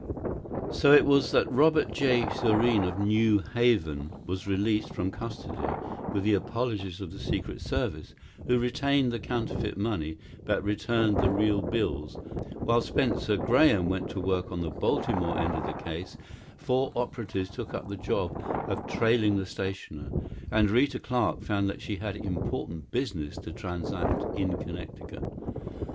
So it was that Robert J. Thurene of New Haven was released from custody with the apologies of the Secret Service who retained the counterfeit money, but returned the real bills while Spencer Graham went to work on the Baltimore end of the case, four operatives took up the job of trailing the stationer, and Rita Clarke found that she had important business to transact in Connecticut.